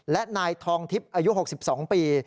และนายทองทิพย์อายุ๖๒ปี